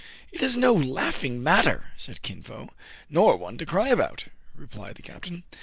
" It is no laughing matter," said Kin Fo. " Nor one to cry about," replied the captain.